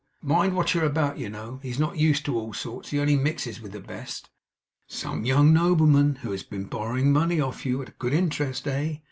Mind what you're about, you know. He's not used to all sorts; he only mixes with the best!' 'Some young nobleman who has been borrowing money of you at good interest, eh?